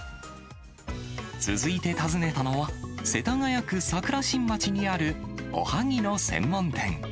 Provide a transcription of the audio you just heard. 続いて訪ねたのは、世田谷区桜新町にあるおはぎの専門店。